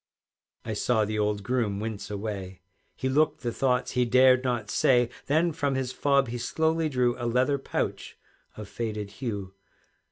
I saw the old groom wince away, He looked the thoughts he dared not say; Then from his fob he slowly drew A leather pouch of faded hue.